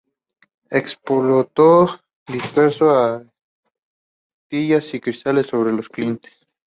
Explotó, dispersando astillas de cristal sobre los clientes.